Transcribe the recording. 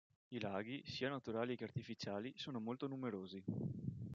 I laghi, sia naturali che artificiali, sono molto numerosi.